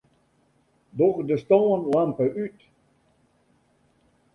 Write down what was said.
Doch de stânlampe út.